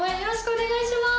お願いします。